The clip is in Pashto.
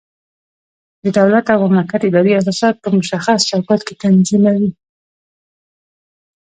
د دولت او مملکت ادارې اساسات په مشخص چوکاټ کې تنظیموي.